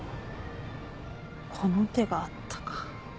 この手があったか。